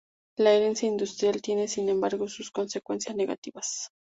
La herencia industrial tiene sin embargo sus consecuencias negativas.